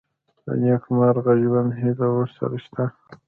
د نېکمرغه ژوند هیلې ورسره شته.